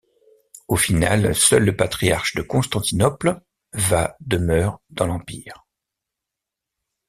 Au final, seul le patriarche de Constantinople va demeure dans l’Empire.